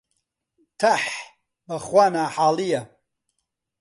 تەح، بەخوا ناحاڵییە